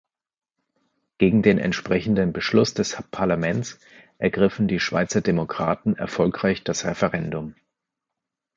Gegen den entsprechenden Beschluss des Parlaments ergriffen die Schweizer Demokraten erfolgreich das Referendum.